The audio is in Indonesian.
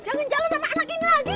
jangan jalan sama anak ini lagi